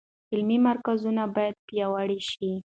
علمي مرکزونه باید پیاوړي شي.